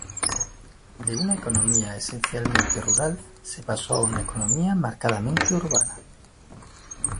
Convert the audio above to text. De una economía esencialmente rural se pasó a una economía marcadamente urbana.